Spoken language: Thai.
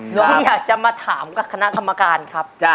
ลุงอยากจะมาถามกับคณะกรรมการครับ